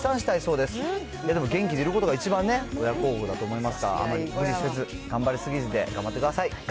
でも、元気でいることが一番ね、親孝行だと思いますが、あまり無理せず、頑張りすぎずで頑張ってください。